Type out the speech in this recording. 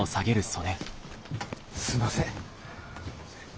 すいません。